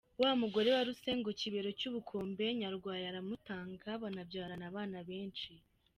Wa mugore wa Rusengo Kibero cy’ubukombe, Nyarwaya aramutunga banabyarana abana benshi.